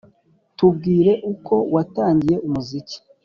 Tubwire uko watangiye umuziki.